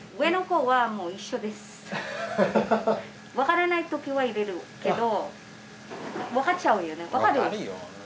わからないときは入れるけどわかっちゃうよね。